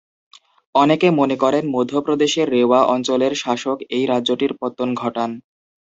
অনেকে মনে করেন মধ্যপ্রদেশের রেওয়া অঞ্চলের শাসক এই রাজ্যটির পত্তন ঘটান।